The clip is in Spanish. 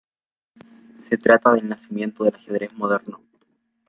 Se trata del nacimiento del ajedrez moderno.